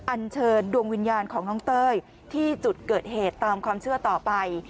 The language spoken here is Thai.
อันเชิญดวงวิญญาณของน้องเต้ยที่จุดเกิดเหตุตามความเชื่อต่อไป